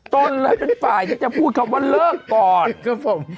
ต้นแล้วเป็นฝ่ายจะพูดคำว่าเลิฟก่อน